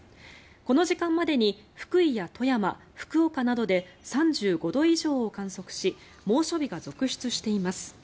この時間までに、福井や富山福岡などで３５度以上を観測し猛暑日が続出しています。